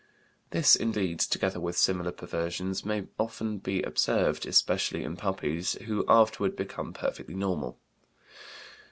This, indeed, together with similar perversions, may often be observed, especially in puppies, who afterward become perfectly normal.